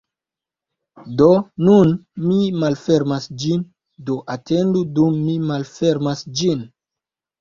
Do nun mi malfermas ĝin, do atendu dum mi malfermas ĝin.